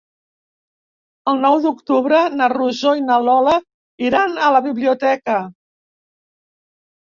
El nou d'octubre na Rosó i na Lola iran a la biblioteca.